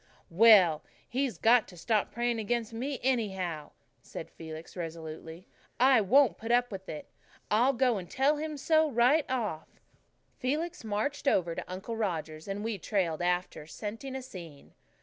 "Well, he's got to stop praying against me, anyhow," said Felix resolutely. "I won't put up with it, and I'll go and tell him so right off." Felix marched over to Uncle Roger's, and we trailed after, scenting a scene.